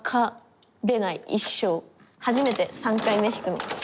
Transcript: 初めて３回目引くの。